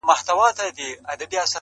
يو وايي جنايت بل وايي شرم,